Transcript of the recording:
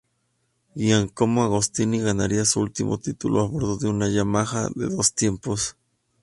Giacomo Agostini ganaría su última título a bordo de una Yamaha de dos tiempos.